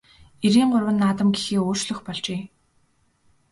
Эрийн гурван наадам гэхээ өөрчлөх болжээ.